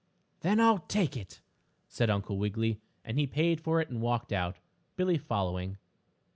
"Then I'll take it," said Uncle Wiggily, and he paid for it and walked out, Billie following.